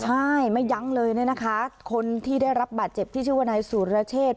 ใช่ไม่ยั้งเลยเนี่ยนะคะคนที่ได้รับบาดเจ็บที่ชื่อว่านายสุรเชษ